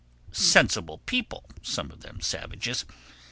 Sensible people, some of them savages.